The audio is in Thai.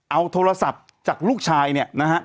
เอาโทรศัพท์จากลูกชายเนี่ยนะฮะ